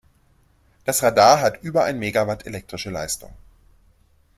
Das Radar hat über ein Megawatt elektrische Leistung.